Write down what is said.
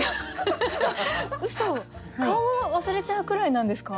顔を忘れちゃうくらいなんですか？